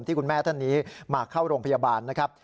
คุณแม่ท่านนี้มาเข้าโรงพยาบาลนะครับ